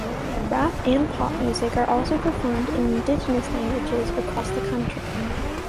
Rap and pop music are also performed in indigenous languages across the country.